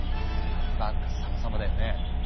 バッカスさまさまだよね。